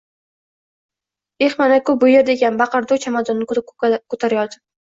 Eh, mana-ku, bu yerda ekan, – baqirdi u chamadonni koʻtarayotib.